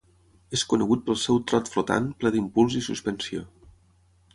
És conegut pel seu "trot flotant" ple d'impuls i suspensió.